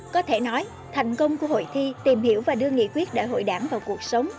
có thể nói thành công của hội thi tìm hiểu và đưa nghị quyết đại hội đảng vào cuộc sống